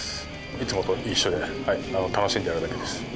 いつもと一緒で、楽しんでやるだけです。